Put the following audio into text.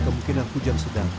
kemungkinan hujan sedang